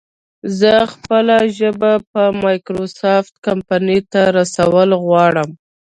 زه خپله ژبه په مايکروسافټ کمپنۍ ته رسول غواړم